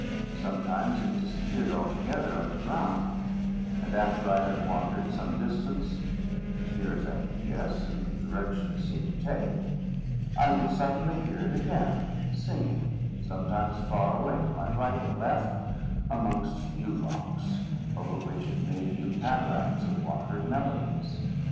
Sometimes it disappeared altogether under ground; and after I had wandered some distance, as near as I could guess, in the direction it seemed to take, I would suddenly hear it again, singing, sometimes far away to my right or left, amongst new rocks, over which it made new cataracts of watery melodies.